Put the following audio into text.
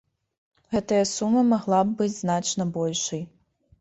Гэтая сума магла б быць значна большай.